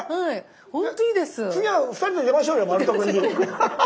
次は２人で出ましょうよ「まる得」に。